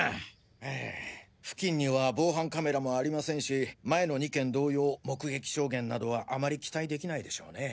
ええ付近には防犯カメラもありませんし前の２件同様目撃証言などはあまり期待できないでしょうね。